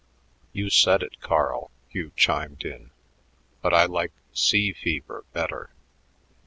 "You said it, Carl," Hugh chimed in, "but I like 'Sea Fever' better.